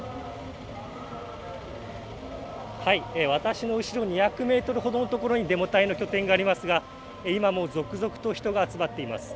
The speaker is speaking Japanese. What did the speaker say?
私の後ろ２００メートルほどの所にデモ隊の拠点がありますが今も続々と人が集まっています。